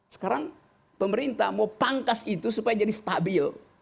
sekarang pemerintah mau pangkas itu supaya jadi stabil